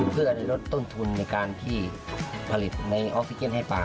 เพื่อลดต้นทุนในการที่ผลิตในออกซิเจนให้ปลา